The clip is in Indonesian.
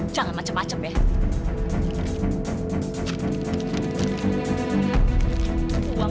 jangan macem macem ya